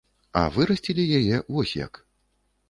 А вырасцілі яе вось як.